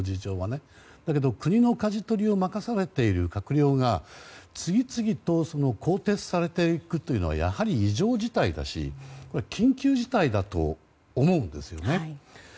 だけど、国のかじ取りを任されている閣僚が次々と更迭されていくというのはやはり異常事態だし緊急事態だと思うんですよね。